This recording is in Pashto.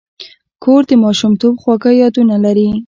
کور د ماشومتوب خواږه یادونه لري.